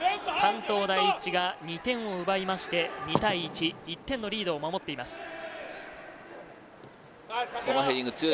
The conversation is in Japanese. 関東第一が２点を奪いまして、２対１、１点のリードを守っています。